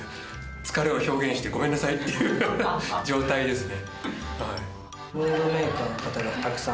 疲れを表現してごめんなさいっていう状態ですね。